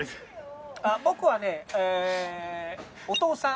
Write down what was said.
僕はね音尾さん。